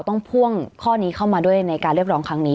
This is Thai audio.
พ่วงข้อนี้เข้ามาด้วยในการเรียกร้องครั้งนี้